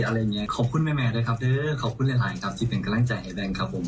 อะไรอย่างเงี้ยขอบคุณแมนด้วยครับเด้อขอบคุณหลายครับที่เป็นกำลังใจให้แบงค์ครับผม